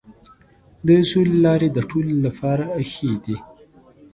د سولې لارې د ټولو لپاره ښې دي.